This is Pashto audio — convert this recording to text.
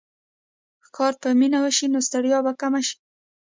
که کار په مینه وشي، نو ستړیا به کمه شي.